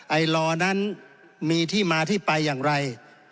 ไอลอนั้นมีที่มาที่ไปอย่างไร